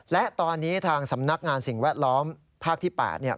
และตอนนี้ทางสำนักงานสิ่งแวดล้อมภาคที่๘เนี่ย